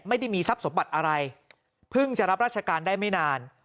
ไม่ได้มีทรัพย์สมบัติอะไรเพิ่งจะรับราชการได้ไม่นาน